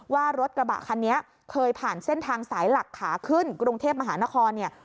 ว่ารถกระบะคันนี้เคยผ่านเส้นทางสายหลักขาขึ้นกรุงเทพมหานครเนี่ย